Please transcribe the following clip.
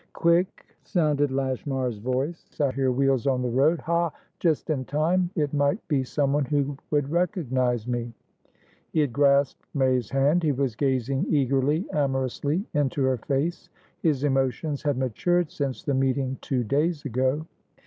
"Quick!" sounded Lashmar's voice. "I hear wheels on the road. Ha! Just in time! It might be someone who would recognise me." He had grasped May's hand. He was gazing eagerly, amorously into her face. His emotions had matured since the meeting two days ago.